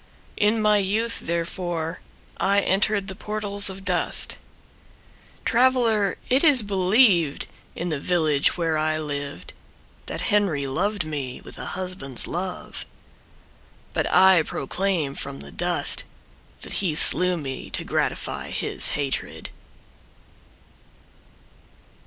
In my youth therefore I entered the portals of dust. Traveler, it is believed in the village where I lived That Henry loved me with a husband's love But I proclaim from the dust That he slew me to gratify his hatred.